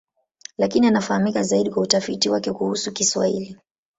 Lakini anafahamika zaidi kwa utafiti wake kuhusu Kiswahili.